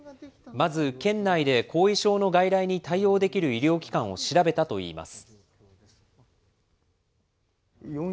まず、県内で後遺症の外来に対応できる医療機関を調べたといいます。